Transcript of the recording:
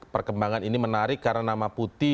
perkembangan ini menarik karena nama putih